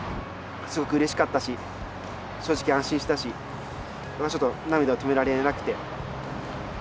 すごくうれしかったし正直安心したし僕はちょっと涙を止められなくて。